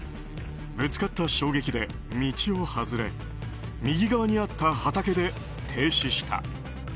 ぶつかった衝撃で道を外れ右側にあった畑で停止した。